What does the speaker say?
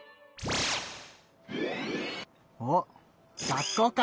おっ学校か！